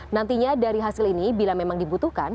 nantinya dari hasil ini bila memang dibutuhkan